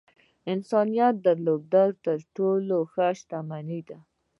انسانيت درلودل تر ټولو ښۀ شتمني ده .